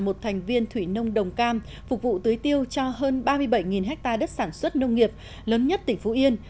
một thành viên thủy nông đồng cam phục vụ tưới tiêu cho hơn ba mươi bảy ha đất sản xuất nông nghiệp lớn nhất tỉnh phú yên